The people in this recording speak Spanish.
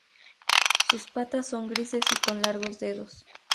Sus patas son grises y con largos dedos.